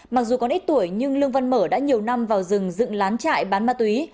mặc dù còn ít tuổi nhưng lương văn mở đã nhiều năm vào rừng dựng lán trại bán ma túy